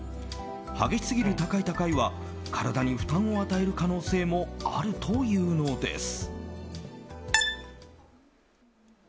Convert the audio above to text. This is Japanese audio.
激しすぎる高い高いは体に負担を与える可能性もあるというのです。